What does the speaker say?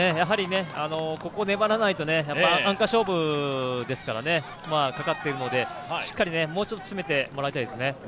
ここを粘らないとアンカー勝負がかかっているので、しっかりもうちょっと詰めてもらいたいですね。